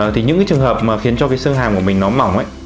thì những trường hợp mà khiến cho cái xương hàm của mình nó mỏng ấy